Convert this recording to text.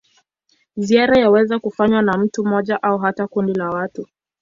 Ziara yaweza kufanywa na mtu mmoja au hata kundi la watu.